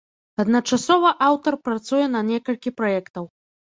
Адначасова аўтар працуе на некалькі праектаў.